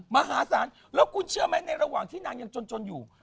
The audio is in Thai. มหาศาลแล้วคุณเชื่อไหมในระหว่างที่นางยังจนอยู่